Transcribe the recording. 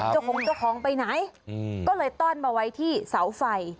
เจ้าของเจ้าของไปไหนก็เลยต้อนมาไว้ที่เสาไฟ